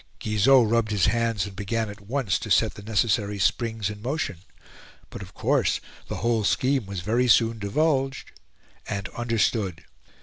Guizot rubbed his hands, and began at once to set the necessary springs in motion; but, of course, the whole scheme was very soon divulged and understood.